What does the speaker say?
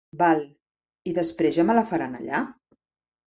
Val i després ja me la faran allà?